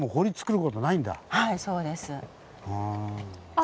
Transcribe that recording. はいそうです。